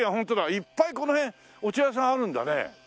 いっぱいこの辺お茶屋さんあるんだね。